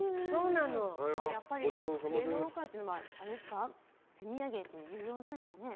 やっぱり芸能界って手土産って重要なんですかね？